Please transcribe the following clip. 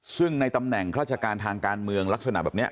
ซึ่งในตำแหน่งราชการทางการเมืองลักษณะแบบนี้